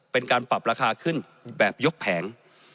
เป็นการปรับราคาขึ้นแบบยกแผง